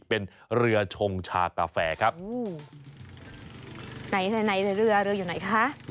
เป็นเรือชงชากาแฟครับไหนไหนเรือเรืออยู่ไหนคะ